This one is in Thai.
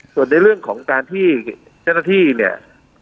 ส่วนในเรื่องของการที่เจ้าหน้าที่เนี่ย